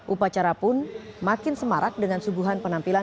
upacara pun makin semarak dengan suguhan penampilan